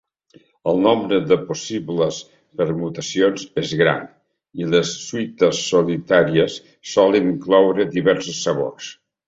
El nombre de possibles permutacions és gran, i les suites solitàries solen incloure diversos sabors.